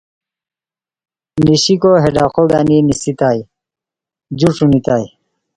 نیشیکو ہے ڈاق ہو گانی نیسیتائے، جو ݯھونیتائے